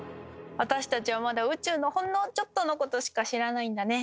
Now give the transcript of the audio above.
私たちはまだ宇宙のほんのちょっとのことしか知らないんだね。